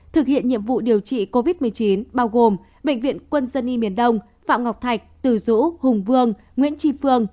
thực hiện nhiệm vụ điều trị covid một mươi chín bao gồm bệnh viện quân dân y miền đông phạm ngọc thạch từ dũ hùng vương nguyễn tri phương